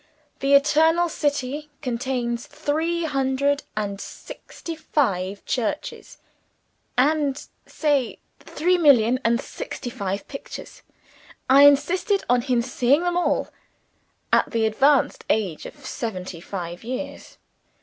The Eternal City contains three hundred and sixty five churches, and (say) three million and sixty five pictures. I insisted on his seeing them all at the advanced age of seventy five years!